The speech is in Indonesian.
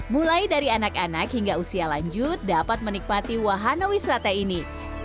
mulai dari anak anak hingga usia lanjut dapat menikmati wahana wisata ini